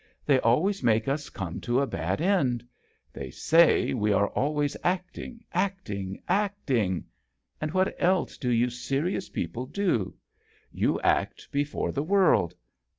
They always make us come to a bad end. They say we are always acting, acting, acting; and what else do you serious people do? You act before the world.